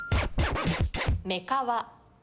めかわ。